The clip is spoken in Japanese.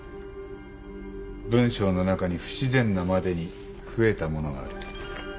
文章の中に不自然なまでに増えたものがある。